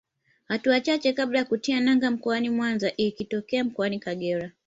Hatua chache kabla ya kutia nanga mkoani Mwanza ikitokea Mkoani Kagera